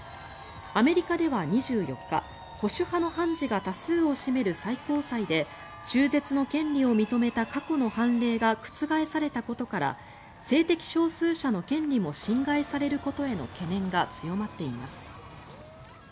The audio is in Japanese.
アメリカでは２４日保守派の判事が多数を占める最高裁で中絶の権利を認めた過去の判例が覆されたことから性的少数者の権利も侵害されることへの懸念が強まっています。